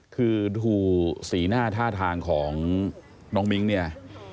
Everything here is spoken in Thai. คือดูสีหน้าท่าทางของน้องมิ้งเนี่ย